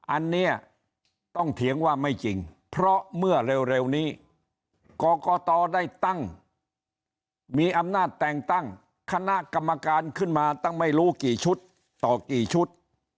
อันนี้ต้องเถียงว่าไม่จริงเพราะเมื่อเร็วนี้กรกตได้ตั้งมีอำนาจแต่งตั้งคณะกรรมการขึ้นมาตั้งไม่รู้กี่ชุดต่อกี่ชุด